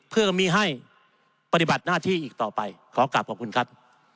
เพื่อไม่ให้ปฏิบัติหน้าที่อีกต่อไปขอกลับขอบคุณครับ